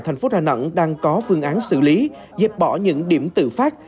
thành phố đà nẵng đang có phương án xử lý dẹp bỏ những điểm tự phát